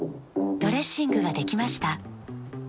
ドレッシングができました。